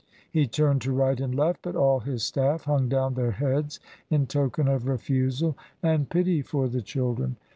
He turned to right and left, but all his staff hung down their heads in token of refusal and pity for the children.